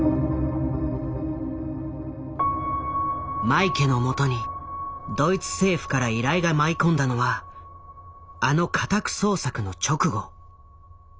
マイケのもとにドイツ政府から依頼が舞い込んだのはあの家宅捜索の直後。